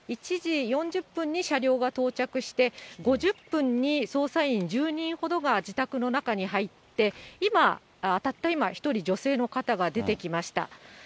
１時４０分に車両が到着して、５０分に捜査員１０人ほどが自宅の中に入って、今、たった今、１人女性の方が出てきました。